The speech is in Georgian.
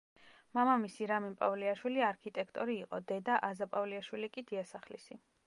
მამამისი, რამინ პავლიაშვილი, არქიტექტორი იყო, დედა, აზა პავლიაშვილი კი დიასახლისი.